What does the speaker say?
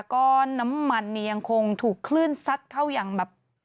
ก็น้ำมันเนี่ยยังคงถูกคลื่นซัดเข้าอย่างแบบ